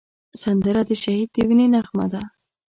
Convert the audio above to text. سندره د شهید د وینې نغمه ده